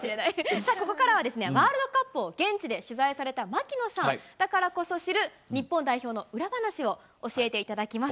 さあここからは、ワールドカップを現地で取材された槙野さんだからこそ知る、日本代表の裏話を教えていただきます。